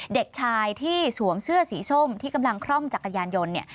เด็กชายที่สวมเสื้อสีส้มที่กำลังคร่อมจักรยานยนต์เนี่ย